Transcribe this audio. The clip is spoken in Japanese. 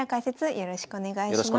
よろしくお願いします。